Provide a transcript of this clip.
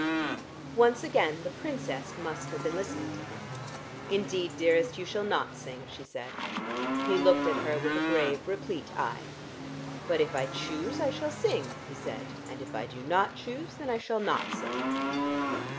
Once again the Princess must have been listening to him. "Indeed, dearest, you shall not sing," she said. He looked at her with a grave replete eye. "But if I choose, I shall sing," he said, "and if I do not choose then I shall not sing."